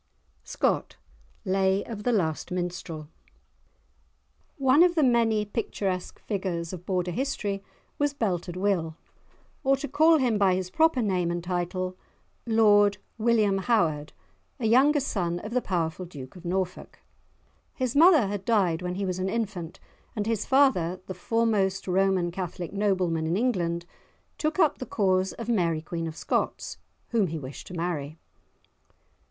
SCOTT, Lay of the Last Minstrel. One of the many picturesque figures of Border history was "Belted Will," or to call him by his proper name and title, Lord William Howard, a younger son of the powerful Duke of Norfolk. His mother had died when he was an infant, and his father, the foremost Roman Catholic nobleman in England, took up the cause of Mary Queen of Scots, whom he wished to marry.